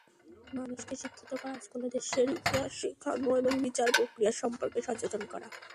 মানুষকে শিক্ষিত করা, স্কুলে দেশের ইতিহাস শেখানো এবং বিচার–প্রক্রিয়া সম্পর্কে সচেতন করা।